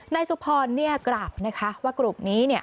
นายสุพรเนี่ยกล่าวนะคะว่ากลุ่มนี้เนี่ย